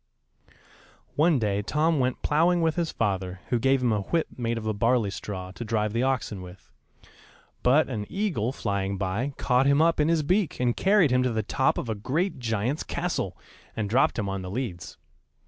] One day Tom went ploughing with his father, who gave him a whip made of a barley straw, to drive the oxen with; but an eagle, flying by, caught him up in his beak, and carried him to the top of a great giant's castle, and dropped him on the leads.